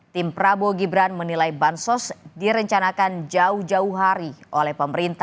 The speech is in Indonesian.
tim prabowo gibran menilai bansos direncanakan jauh jauh